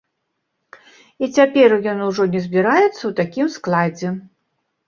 І цяпер ён ужо не збіраецца ў такім складзе.